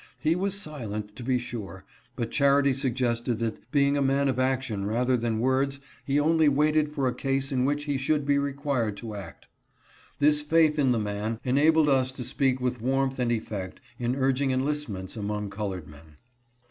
He was silent, to be sure, but charity suggested that being a man of action rather than words he only waited for a case in which he should be required to act. This faith in the man enabled us to speak with warmth and effect in urging enlistments among colored men.